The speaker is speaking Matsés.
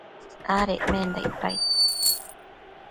adecmenda icpaid